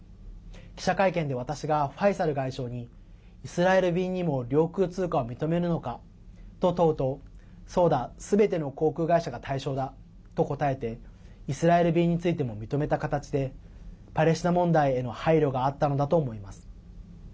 記者会見で私がファイサル外相に「イスラエル便にも領空通過を認めるのか」と問うと「そうだ、すべての航空会社が対象だ」と答えてイスラエル便についても認めた形でパレスチナ問題への配慮があったのだと思います。